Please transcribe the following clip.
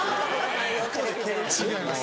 違います。